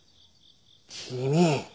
君。